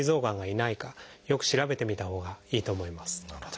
なるほど。